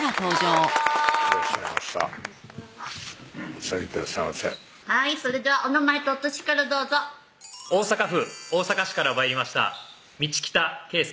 お座りくださいませそれではお名前とお歳からどうぞ大阪府大阪市から参りました道北圭祐